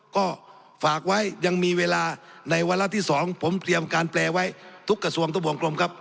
ก็ฝากไว้ยังมีเวลาในวาระที่๒ผมเตรียมการแปลไว้ทุกกระทรวงทุกวงกลมครับ